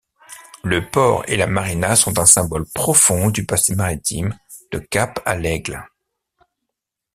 Le port et la marina sont un symbole profond du passé maritime de Cap-à-l'Aigle.